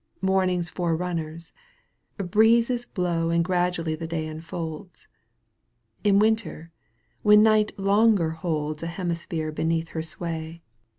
Morning's forerunners, breezes blow And gradually day unfolds. In winter, when Night longer holds A hemisphere beneath her sway.